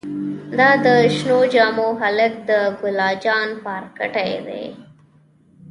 دا د شنو جامو هلک د ګلا جان پارکټې دې.